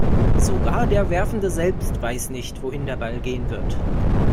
Sogar der Werfende selbst weiß nicht, wohin der Ball gehen wird.